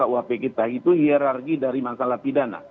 kauhapik kita itu hierarki dari masalah pidana